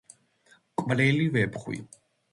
მკვლელი ვეფხვი